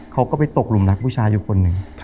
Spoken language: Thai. เขาก็ไปตกหลุมรักผู้ชายอยู่คนหนึ่ง